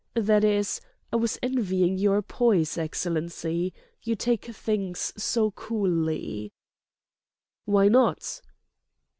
That is—I was envying your poise, Excellency. You take things so coolly." "Why not?"